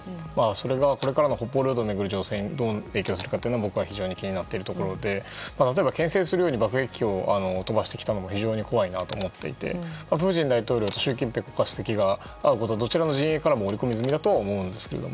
それがこれから北方領土を巡る情勢にどう影響するかが僕は非常に気になっているところで例えば牽制するように爆撃機を飛ばしてきたのも怖いなと思っていてプーチン大統領と習近平国家主席が会うことはどちらの陣営からも織り込み済みだと思うんですが。